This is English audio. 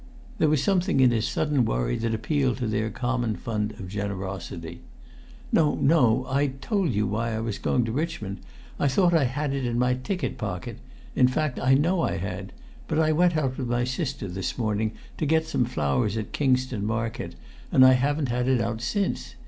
There was something in his sudden worry that appealed to their common fund of generosity. "No, no! I told you why I was going to Richmond. I thought I had it in my ticket pocket. In fact, I know I had; but I went with my sister this morning to get some flowers at Kingston market, and I haven't had it out since.